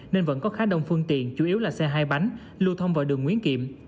nên vẫn có khá đông phương tiện chủ yếu là xe hai bánh lưu thông vào đường nguyễn kiệm